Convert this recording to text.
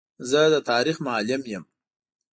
زه د تاریخ معلم یم.